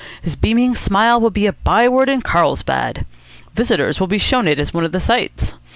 His beaming smile will be a by word in Carlsbad. Visitors will be shown it as one of the sights.